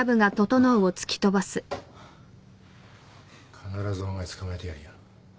必ずお前捕まえてやるよ。